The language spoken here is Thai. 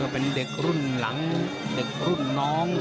เป็นเด็กรุ่นน้อง